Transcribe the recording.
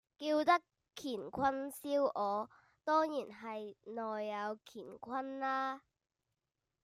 叫得乾坤燒鵝，當然係內有乾坤啦